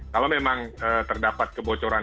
kalau memang terdapat kebocoran